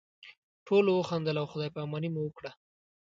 ټولو وخندل او خدای پاماني مو وکړه.